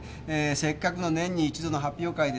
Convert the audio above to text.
せっかくの年に一度の発表会です。